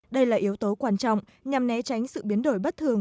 đây là yếu tố quan trọng nhằm né tránh sự biến đổi bất thường